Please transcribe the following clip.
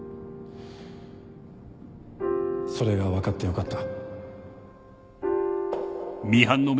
それが分かってよかった